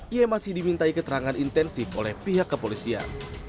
ia masih dimintai keterangan intensif oleh pihak kepolisian